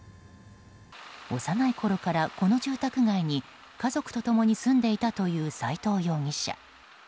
幼いころからこの住宅街に家族と共に住んでいたという斎藤容疑者。